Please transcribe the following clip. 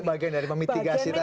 itu bagian dari mitigasi tadi ya